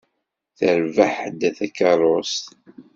Terbeḥ-d takeṛṛust.